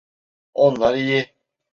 Onlar iyi.